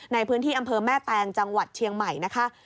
ในพื้นที่อำเภอแม่แตงจังหวัดเชียงใหม่นะคะ